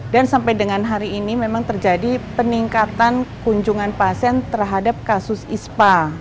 dan sampai dengan hari ini memang terjadi peningkatan kunjungan pasien terhadap kasus ispa